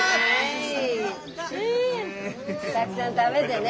たくさん食べてね。